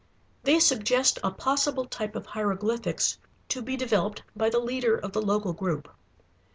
They suggest a possible type of hieroglyphics to be developed by the leader of the local group.